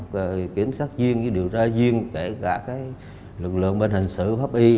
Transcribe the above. cảnh sát duyên điều tra duyên kể cả cái lực lượng bên hình sự pháp y